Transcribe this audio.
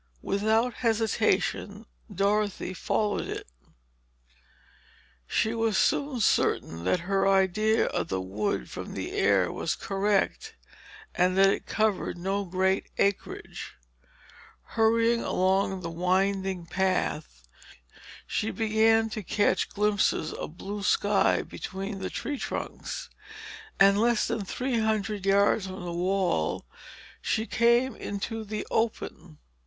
Without hesitation, Dorothy followed it. She was soon certain that her idea of the wood from the air was correct, and that it covered no great acreage. Hurrying along the winding footpath, she began to catch glimpses of blue sky between the tree trunks, and less than three hundred yards from the wall she came into the open.